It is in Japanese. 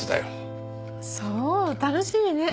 そう楽しみね。